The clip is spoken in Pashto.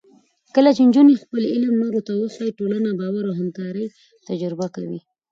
کله چې نجونې خپل علم نورو ته وښيي، ټولنه باور او همکارۍ تجربه کوي.